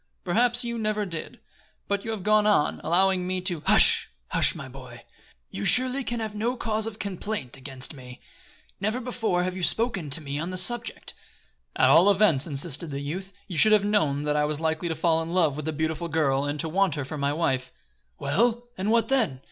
"Perhaps you never did; but you have gone on, allowing me to " "Hush! Hush, my boy. You surely can have no cause of complaint against me. Never before have you spoken to me on the subject." "At all events," insisted the youth, "you should have known that I was likely to fall in love with the beautiful girl and to want her for my wife." "Well, and what then?